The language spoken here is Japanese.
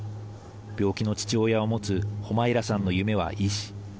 病気の父親を持つホマイラさんの夢は医師。